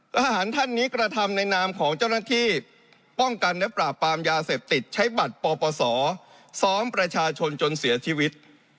ทหารท่านนี้กระทำในนามของเจ้าหน้าที่ป้องกันและปราบปรามยาเสพติดใช้บัตรปปศซ้อมประชาชนจนเสียชีวิต